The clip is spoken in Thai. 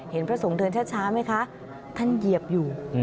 พระสงฆ์เดินช้าไหมคะท่านเหยียบอยู่